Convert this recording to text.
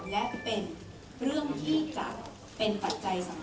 และเป็นเรื่องที่จะเป็นปัจจัยสำคัญ